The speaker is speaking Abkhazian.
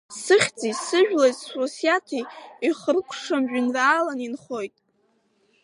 Сыхьӡи, сыжәлеи, суасиаҭи ихыркәшам жәеинраалан инхоит!